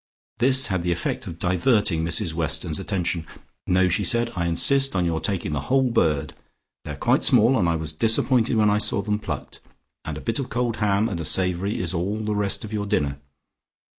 This had the effect of diverting Mrs Weston's attention. "No," she said. "I insist on your taking the whole bird. They are quite small, and I was disappointed when I saw them plucked, and a bit of cold ham and a savoury is all the rest of your dinner.